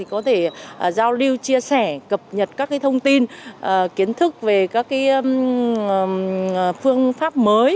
có thể giao lưu chia sẻ cập nhật các thông tin kiến thức về các phương pháp mới